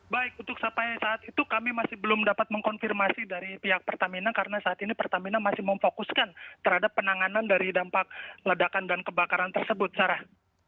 baik untuk sampai saat itu kami masih belum dapat mengkonfirmasi dari pihak pertamina karena saat ini pertamina masih memfokuskan terhadap penanganan dari dampak ledakan dan kebakaran tersebut sarah